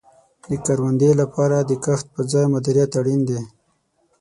د کروندې لپاره د کښت په ځای مدیریت اړین دی.